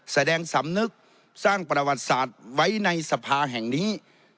สำนึกสร้างประวัติศาสตร์ไว้ในสภาแห่งนี้